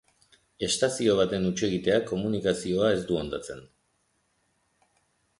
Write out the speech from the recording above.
Estazio baten hutsegiteak komunikazioa ez du hondatzen.